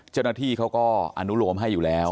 เจ้าหน้าที่เขาก็อนุโลมให้อยู่แล้ว